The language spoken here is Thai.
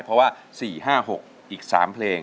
เพราะว่า๔๕๖อีก๓เพลง